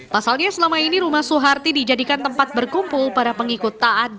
pasalnya selama ini rumah suharti dijadikan tempat berkumpul para pengikut taat